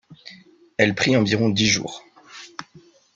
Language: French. Elle prit environ dix jours.